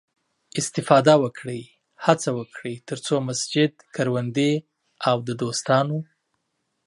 استفاده وکړئ، هڅه وکړئ، تر څو مسجد، کروندې او د دوستانو